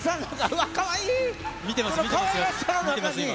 見てます、見てます、今。